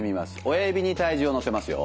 親指に体重を乗せますよ。